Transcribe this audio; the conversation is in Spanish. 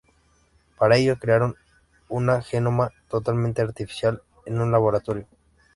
Para ello crearon un genoma totalmente artificial en un laboratorio.